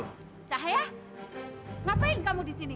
cahaya ngapain kamu di sini